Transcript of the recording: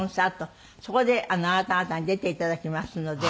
そこであなた方に出ていただきますので。